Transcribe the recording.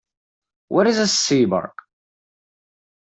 What is a cyborg?